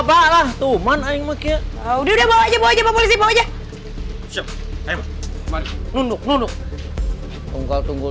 baklah tuman yang maknya udah bawa aja bawa aja bawa aja nunduk nunduk tunggal tunggu